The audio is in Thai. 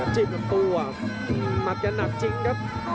จิบกับตัวมัดกันหนักจริงครับ